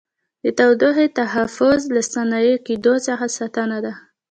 د تودوخې تحفظ له ضایع کېدو څخه ساتنه ده.